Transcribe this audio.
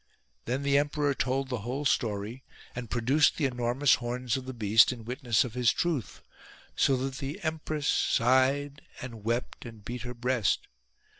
Then the emperor told the whole story and produced the enormoui 119 PERSIAN PRESENTS horns of the beast in witness of his truth : so that the empress sighed and wept and beat her breast.